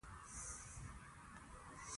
مالي ځواک د ستونزو په حل کې مرسته کوي.